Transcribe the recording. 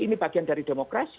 ini bagian dari demokrasi